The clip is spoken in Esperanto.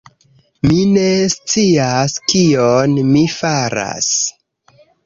Mi ne scias kion mi faras.